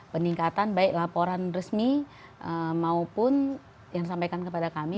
peningkatan baik laporan resmi maupun yang disampaikan kepada kami